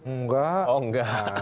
enggak oh enggak